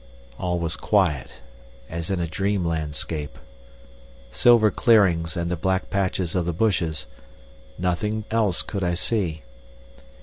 All was quiet as in a dream landscape. Silver clearings and the black patches of the bushes nothing else could I see.